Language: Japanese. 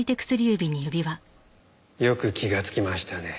よく気がつきましたね。